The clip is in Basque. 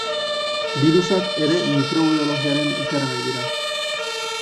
Birusak ere mikrobiologiaren ikergai dira.